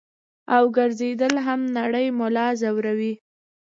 او ګرځېدل هم نرۍ ملا زوري -